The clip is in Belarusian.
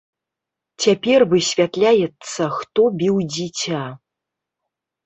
Цяпер высвятляецца, хто біў дзіця.